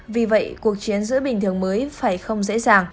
vì vậy cuộc chiến giữa bình thường mới phải không dễ dàng